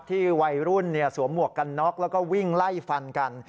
วัยรุ่นสวมหมวกกันน็อกแล้วก็วิ่งไล่ฟันกัน